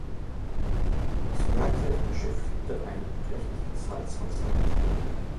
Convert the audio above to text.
Das Werk selbst beschäftigte eine beträchtliche Zahl Zwangsarbeiter.